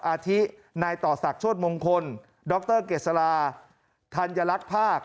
อาทินายต่อศักดิ์โชธมงคลดรเกษราธัญลักษณ์ภาค